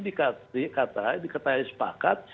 dikatakan dikatakan sepakat